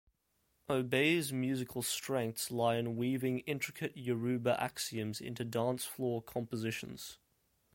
Obey's musical strengths lie in weaving intricate Yoruba axioms into dance-floor compositions.